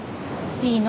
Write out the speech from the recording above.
いいの？